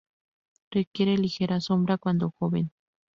Requiere ligera sombra cuando joven.